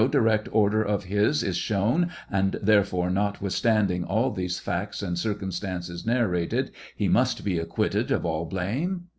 direct order of his is shown, and therefore, notwithstanding all these facts and circumstances narrated, he must be acquitted of all blame